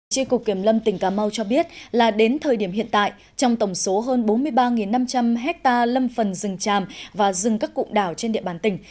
tri cục kiểm lâm tỉnh cà mau cho biết là đến thời điểm hiện tại trong tổng số hơn bốn mươi ba năm trăm linh hectare lâm phần rừng tràm và rừng các cụm đảo trên địa bàn tỉnh